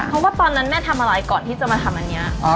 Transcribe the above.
เพราะว่าตอนนั้นแม่ทำอะไรก่อนที่จะมาทำอันนี้